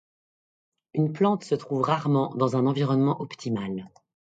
Une plante se trouve rarement dans un environnement optimal.